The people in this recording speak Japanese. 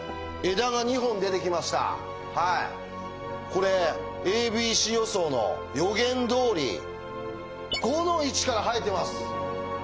これ「ａｂｃ予想」の予言どおり５の位置から生えてます。